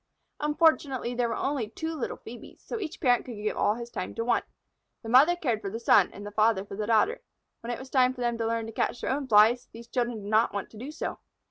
Unfortunately there were only two little Phœbes, so each parent could give all his time to one. The mother cared for the son and the father for the daughter. When it was time for them to learn to catch their own Flies, these children did not want to do so.